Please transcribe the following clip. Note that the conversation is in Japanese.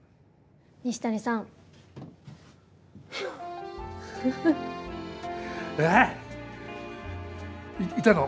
西谷さん？え⁉いたの？